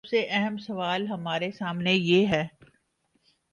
سب سے اہم سوال ہمارے سامنے یہ ہے۔